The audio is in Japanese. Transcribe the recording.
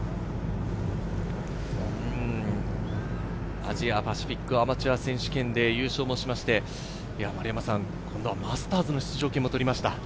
アジア・パシフィックアマチュア選手権で優勝もしまして、今度はマスターズの出場権も取りました。